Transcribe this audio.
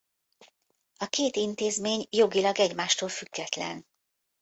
A két intézmény jogilag egymástól független.